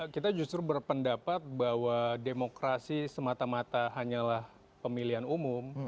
kita justru berpendapat bahwa demokrasi semata mata hanyalah pemilihan umum